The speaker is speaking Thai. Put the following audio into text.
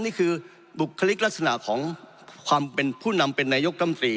นี่คือบุคลิกลักษณะของความเป็นผู้นำเป็นนายกรรมตรี